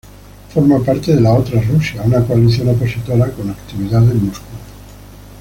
Forma parte de La Otra Rusia, una coalición opositora con actividad en Moscú.